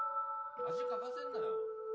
恥かかせんなよ！